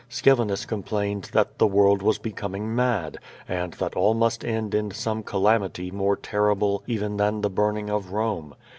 Scevinus complained that the world was becoming mad, and that all must end in some calamity more terrible even than the burning of Some.